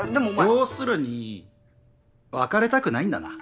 要するに別れたくないんだな。